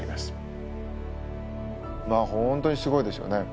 まあ本当にすごいですよね。